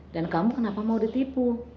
dan kamu kenapa mau ditipu